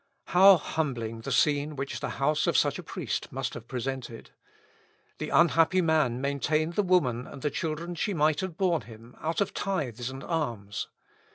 How humbling the scene which the house of such a priest must have presented! The unhappy man maintained the woman and the children she might have borne him, out of tithes and alms.